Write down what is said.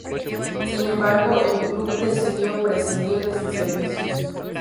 Sin embargo, el club decidió prescindir de sus servicios.